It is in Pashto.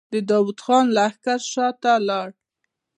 د داوود خان لښکر شاته لاړ.